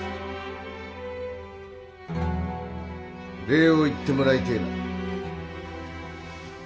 礼を言ってもらいてえな。